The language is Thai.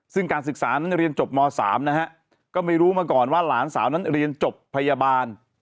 ซึ่งการศึกษานั้นเรียนจบม๓นะฮะก็ไม่รู้มาก่อนว่าหลานสาวนั้นเรียนจบพยาบาล